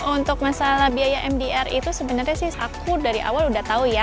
untuk masalah biaya mdr itu sebenarnya sih aku dari awal udah tahu ya